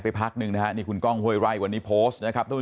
ไปพักนึงนะนี่คุณกล้องห่วยไร่วันนี้โพสต์นะครับทุกผู้